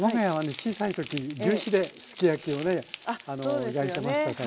小さい時牛脂ですき焼きをね焼いてましたから。